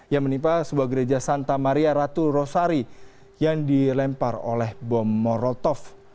yang menimpa sebuah gereja santa maria ratu rosari yang dilempar oleh bom morotov